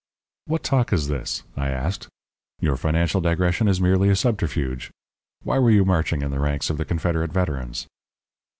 "What talk is this?" I asked. "Your financial digression is merely a subterfuge. Why were you marching in the ranks of the Confederate Veterans?"